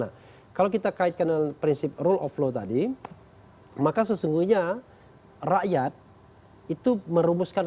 nah kalau kita kaitkan dengan prinsip rule of law tadi maka sesungguhnya rakyat itu merumuskan